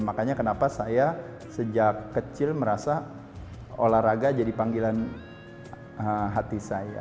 makanya kenapa saya sejak kecil merasa olahraga jadi panggilan hati saya